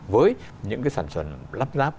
với những cái sản xuất lắp ráp